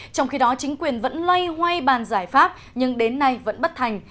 trong khi đó chính quyền vẫn loay hoay bàn giải pháp nhưng đến nay vẫn bất thành